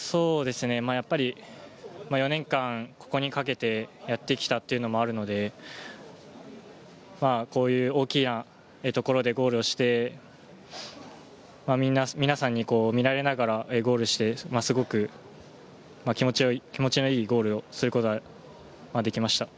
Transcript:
４年間、ここに懸けてやってきたというのもあるのでこういう大きなところでゴールをして、皆さんに見られながらゴールをして、すごく気持ちの良いゴールをすることができました。